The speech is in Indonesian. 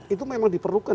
itu memang diperlukan